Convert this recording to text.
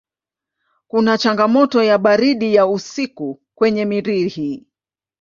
Kuna changamoto ya baridi ya usiku kwenye Mirihi.